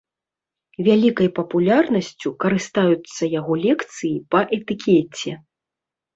Вялікай папулярнасцю карыстаюцца яго лекцыі па этыкеце.